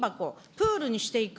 プールにしていく。